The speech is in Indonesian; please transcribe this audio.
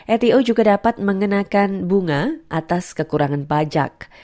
eto juga dapat mengenakan bunga atas kekurangan pajak